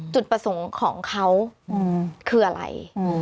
จุดประสงค์ของเขาคืออะไร